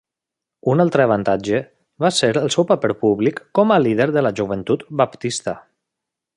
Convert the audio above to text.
Un altre avantatge va ser el seu paper públic com a líder de la joventut baptista.